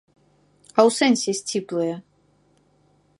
А ў сэнсе, сціплыя?